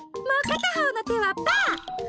もうかたほうのてはパー！